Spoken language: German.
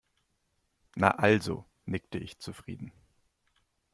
Na also, nickte ich zufrieden.